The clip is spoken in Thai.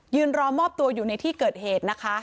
รอมอบตัวอยู่ในที่เกิดเหตุนะคะ